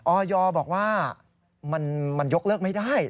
ออยบอกว่ามันยกเลิกไม่ได้